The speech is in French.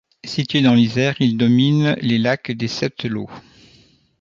Situé dans l'Isère, il domine les lacs des Sept-Laux.